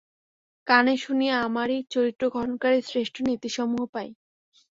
কানে শুনিয়া আমরাই চরিত্র-গঠনকারী শ্রেষ্ঠ নীতিসমূহ পাই।